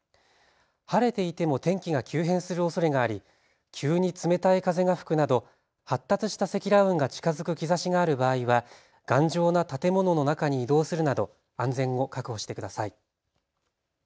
晴れていても天気が急変するおそれがあり急に冷たい風が吹くなど発達した積乱雲が近づく兆しがある場合は頑丈な建物の中に移動するなど安全を確保してください。